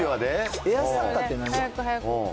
早く早く。